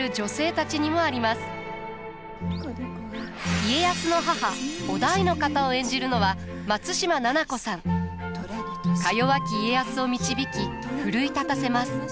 家康の母於大の方を演じるのは松嶋菜々子さん。かよわき家康を導き奮い立たせます。